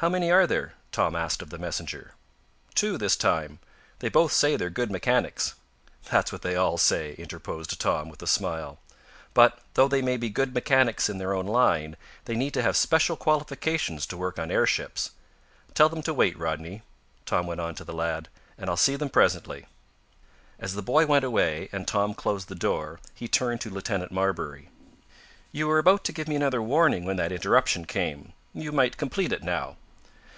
How many are there?" Tom asked of the messenger. "Two, this time. They both say they're good mechanics." "That's what they all say," interposed Tom, with a smile. "But, though they may be good mechanics in their own line, they need to have special qualifications to work on airships. Tell them to wait, Rodney," Tom went on to the lad, "and I'll see them presently." As the boy went away, and Tom closed the door, he turned to Lieutenant Marbury. "You were about to give me another warning when that interruption came. You might complete it now."